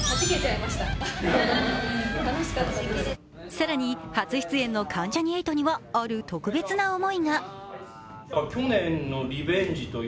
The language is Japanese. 更に初出演の関ジャニ∞にはある特別な思いが。